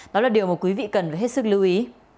đó là điều mà quý vị cần phải hết sức lưu ý